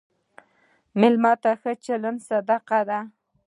مېلمه ته ښه چلند صدقه ده.